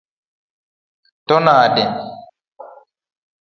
To nade?